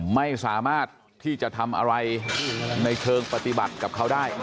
ไม่สามารถที่จะทำอะไรในเชิงปฏิบัติกับเขาได้